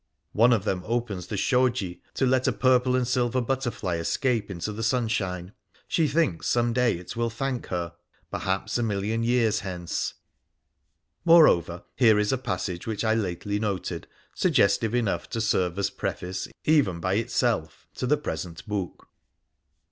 One of them opens the slioji to let a purple and silver butterfly escape into the sunshine. She thinks some day it will thank her — perhaps a million years hence. Moreover, here is a passage which I lately noted, suggestive enough to serve as preface, even by itself, to the present book.